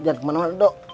jangan kemana mana doh